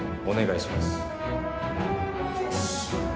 お願いします。